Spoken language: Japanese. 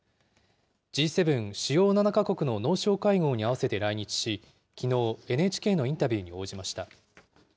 Ｇ７・主要７か国の農相会合に合わせて来日し、きのう、ＮＨＫのインタビューに応じました。